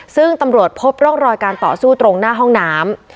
ซึ่งตำรวจพบร่องรอยการต่อสู้ตรงหน้าห้องน้ำ